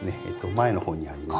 前の方にあります。